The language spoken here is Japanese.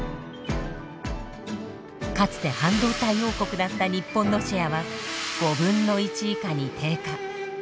かつて半導体王国だった日本のシェアは５分の１以下に低下。